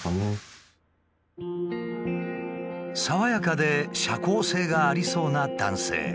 爽やかで社交性がありそうな男性。